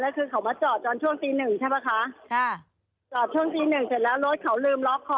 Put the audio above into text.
แล้วคือเขามาจอดตอนช่วงตีหนึ่งใช่ป่ะคะค่ะจอดช่วงตีหนึ่งเสร็จแล้วรถเขาลืมล็อกคอ